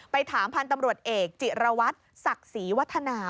ถามพันธุ์ตำรวจเอกจิรวัตรศักดิ์ศรีวัฒนา